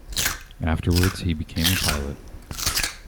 Afterwards he became a pilot.